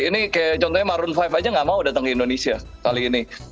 ini kayak contohnya maron lima aja gak mau datang ke indonesia kali ini